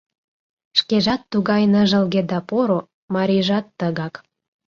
Шкежат тугай ныжылге да поро, марийжат тыгак...